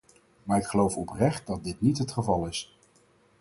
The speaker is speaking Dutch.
Maar ik geloof oprecht dat dit niet het geval is.